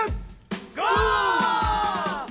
ゴー！